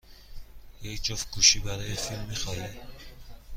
یک جفت گوشی برای فیلم می خواهم.